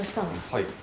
はい。